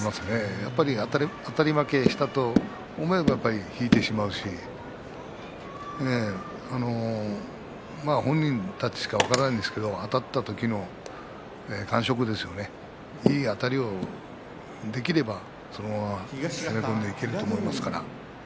やっぱりあたり負けきたと思えば引いてしまうし本人たちしか分かりませんけどあたった時の感触ですねいいあたりができればそのまま攻め込んでいけると思います。